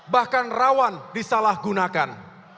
bahkan rawan disalahgunakan